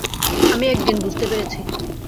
আমি একদিন বুঝতে পেরেছি।